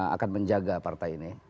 akan menjaga partai ini